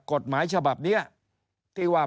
กฎหมายฉบับนี้ที่ว่า